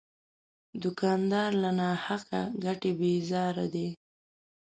دوکاندار له ناحقه ګټې بیزاره دی.